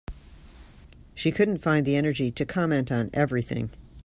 She couldn’t find the energy to comment on everything.